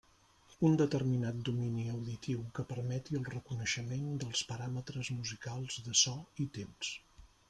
Un determinat domini auditiu que permeti el reconeixement dels paràmetres musicals de so i temps.